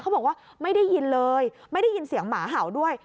บอกว่าไม่ได้ยินเลยไม่ได้ยินเสียงหมาเห่าด้วย